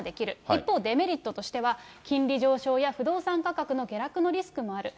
一方、デメリットとしては金利上昇や不動産価格の下落のリスクもある。